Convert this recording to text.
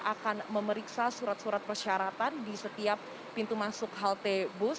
akan memeriksa surat surat persyaratan di setiap pintu masuk halte bus